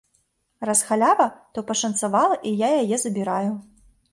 Раз халява, то пашанцавала і я яе забіраю.